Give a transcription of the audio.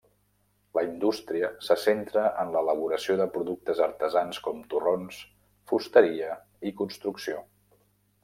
La indústria se centra en l'elaboració de productes artesans com torrons, fusteria i construcció.